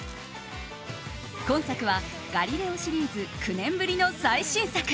今作は「ガリレオ」シリーズ９年ぶりの最新作。